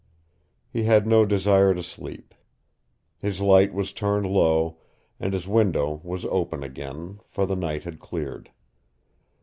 He had no desire to sleep. His light was turned low, and his window was open again, for the night had cleared.